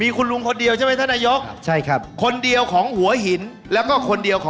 มีคุณลุงคนเดียวใช่มั้ยท่านนายก